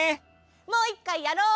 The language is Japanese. もういっかいやろう。